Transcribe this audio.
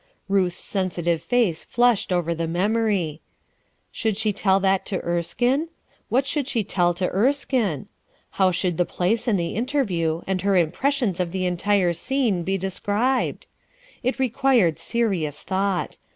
Ruth's sensitive face flushed over the memory. Should she tell that to Erskinc ? What should she tell to Erskinc? How should the place and the interview and her impressions of the entire scene be described ? It required serious thought.